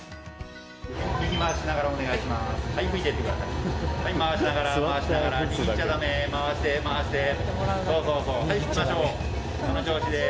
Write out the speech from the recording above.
右回しながらお願いします。